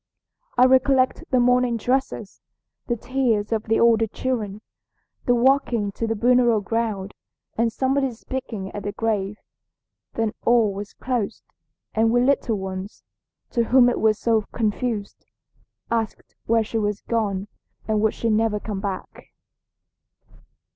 "I recollect the mourning dresses, the tears of the older children, the walking to the burial ground, and somebody's speaking at the grave. Then all was closed, and we little ones, to whom it was so confused, asked where she was gone and would she never come back.